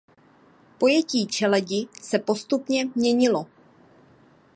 Pojetí čeledi se postupně měnilo.